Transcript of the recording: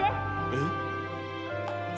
えっ。